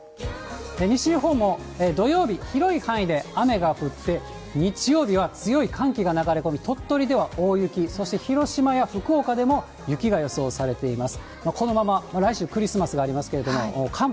西日本も土曜日、広い範囲で雨が降って、日曜日は強い寒気が流れ込んで、鳥取では大雪、そして広島や福岡でも雪が予想されています。